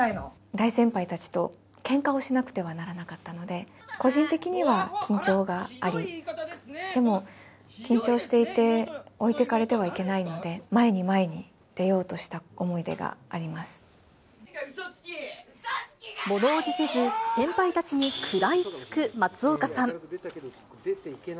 大先輩たちとけんかをしなくてはならなかったので、個人的には緊張があり、でも緊張していて置いてかれてはいけないので、前に前に出ようとものおじせず、先輩たちに食らいつく松岡さん。